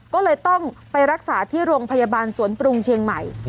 ก็เลยต้องไปรักษาที่โรงพยาบาลสวนปรุงเชียงใหม่